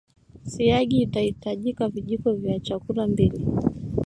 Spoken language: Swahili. siagi itahitajika vijiko vya chakula mbili